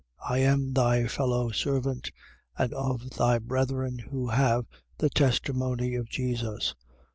I am thy fellow servant and of thy brethren who have the testimony of Jesus.